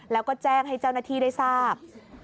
แล้วก็แจ้งให้เจ้าหน้าที่ได้ทราบ